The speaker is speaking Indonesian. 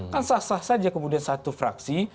kan sah sah saja kemudian satu fraksi